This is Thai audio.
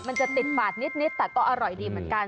มันจะติดฝาดนิดแต่ก็อร่อยดีเหมือนกัน